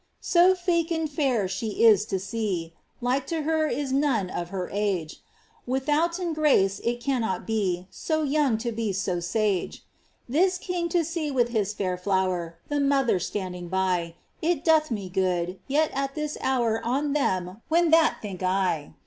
*^Sofaeund fair she is to see, Like to her is none of her age, Withonten grace it cannot be So young to be so sage. Tbis king to see with his fair flower, The mother* itanding 6y, It doth mo good, yet at this hour, On them when that think I.